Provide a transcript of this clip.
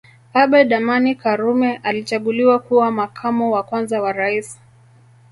Abeid Amani Karume alichaguliwa kuwa Makamo wa kwanza wa Rais